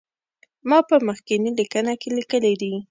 ما په مخکینی لیکنه کې لیکلي دي.